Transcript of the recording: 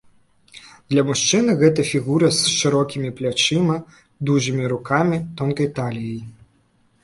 Для мужчыны гэта фігура з шырокімі плячамі, дужымі рукамі, тонкай таліяй.